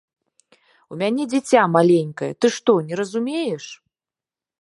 У мяне дзіця маленькае, ты што, не разумееш?